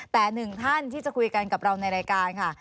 แต่หนึ่งท่านที่จะคุยกันกับเราในรายการค่ะ